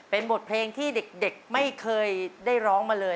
เป็นบทเพลงที่เด็กไม่เคยได้ร้องมาเลย